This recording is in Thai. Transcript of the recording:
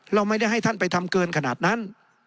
เราไม่ได้ให้ท่านไปทำเกินขนาดนั้น